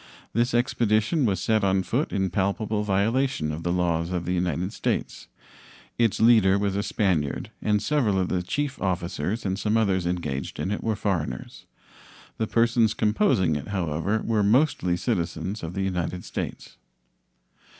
This expedition was set on foot in palpable violation of the laws of the United States. Its leader was a Spaniard, and several of the chief officers and some others engaged in it were foreigners. The persons composing it, however, were mostly citizens of the United States.